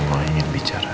mama ingin bicara